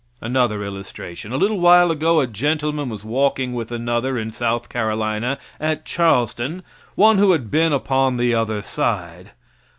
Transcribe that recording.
Another illustration: A little while ago a gentleman was walking with another in South Carolina, at Charleston one who had been upon the other side.